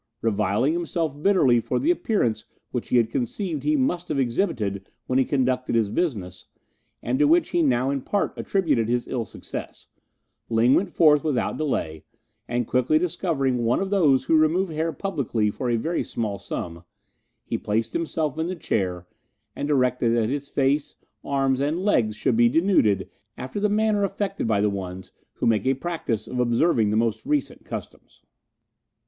Reviling himself bitterly for the appearance which he conceived he must have exhibited when he conducted his business, and to which he now in part attributed his ill success, Ling went forth without delay, and quickly discovering one of those who remove hair publicly for a very small sum, he placed himself in the chair, and directed that his face, arms, and legs should be denuded after the manner affected by the ones who make a practice of observing the most recent customs.